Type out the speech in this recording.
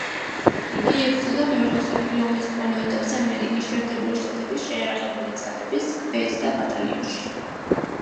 იგი იბრძოდა მეორე მსოფლიო ომის ბოლო ეტაპზე ამერიკის შეერთებული შტატების შეიარაღებული ძალების ქვეითთა ბატალიონში.